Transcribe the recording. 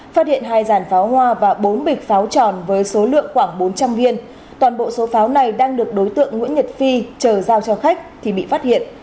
phát hiện hai dàn pháo hoa và bốn bịch pháo tròn với số lượng khoảng bốn trăm linh viên toàn bộ số pháo này đang được đối tượng nguyễn nhật phi chờ giao cho khách thì bị phát hiện